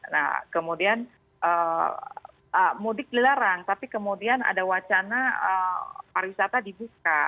nah kemudian mudik dilarang tapi kemudian ada wacana pariwisata dibuka